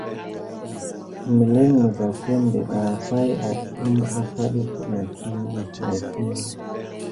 Məlin misza simɓe ɓa pay mis adume aka def nakine si darkiyu.